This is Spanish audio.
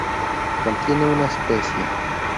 Contiene una especie.